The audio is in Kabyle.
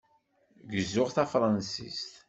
Gezzuɣ tafṛansist.